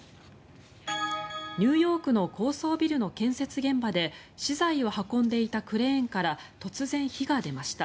ニューヨークの高層ビルの建設現場で資材を運んでいたクレーンから突然、火が出ました。